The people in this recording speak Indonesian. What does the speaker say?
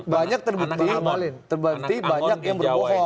banyak terbukti banyak yang berbohong